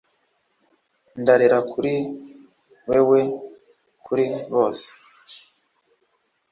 ndarira kuri wewe kuri bose